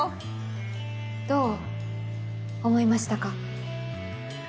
どう思いましたか？